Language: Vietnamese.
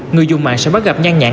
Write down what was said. người dùng mạng sẽ bắt gặp nhanh nhãn